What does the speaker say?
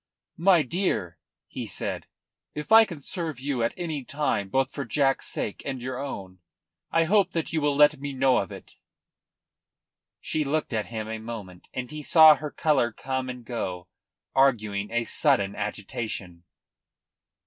"My dear," he said, "if I can serve you at any time, both for Jack's sake and your own, I hope that you will let me know of it." She looked at him a moment, and he saw her colour come and go, arguing a sudden agitation.